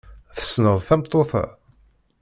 Tessneḍ tameṭṭut-a?